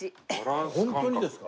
ホントにですか？